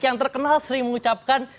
yang terkenal sering mengucapkan